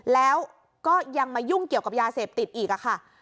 แล้วก็ยังมายุ่งเกี่ยวกับยาเสพติดอีกค่ะ